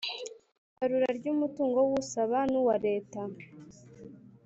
ibarura ry umutungo w usaba n uwa leta